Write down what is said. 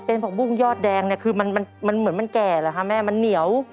เป็นผักบุ้งยอดแดงเนี่ยคือมันเหมือนมันแก่เหรอคะแม่มันเหนียว